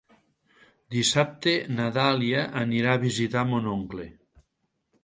Dissabte na Dàlia irà a visitar mon oncle.